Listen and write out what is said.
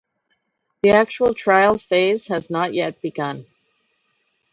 The actual trial phase has not yet begun.